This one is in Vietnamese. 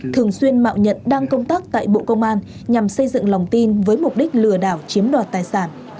thường xuyên mạo nhận đang công tác tại bộ công an nhằm xây dựng lòng tin với mục đích lừa đảo chiếm đoạt tài sản